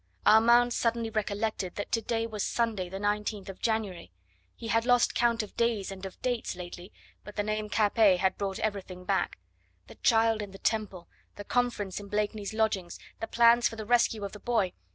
Armand suddenly recollected that to day was Sunday, the 19th of January. He had lost count of days and of dates lately, but the name, "Capet," had brought everything back: the child in the Temple; the conference in Blakeney's lodgings; the plans for the rescue of the boy.